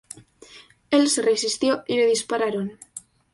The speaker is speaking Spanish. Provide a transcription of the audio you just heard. Él se resistió y le dispararon.